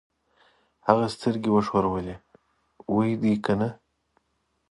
هغه سترګۍ وښورولې: وي دې کنه؟